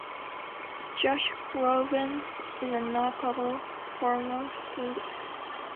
Josh Groban is a notable former student.